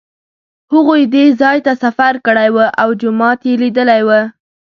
هغوی دې ځای ته سفر کړی و او جومات یې لیدلی و.